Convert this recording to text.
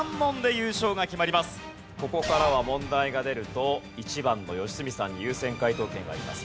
ここからは問題が出ると１番の良純さんに優先解答権があります。